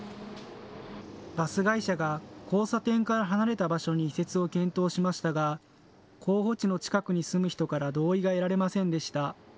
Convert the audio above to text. バス会社が交差点から離れた場所に移設を検討しましたが候補地の近くに住む人から同意が得られませんでした。